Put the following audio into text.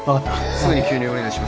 すぐに吸入をお願いします。